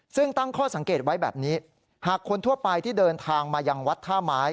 ซึ่งตั้งข้อสังเกตไว้แบบนี้หากคนทั่วไปที่เดินทางมายังวัดท่าไม้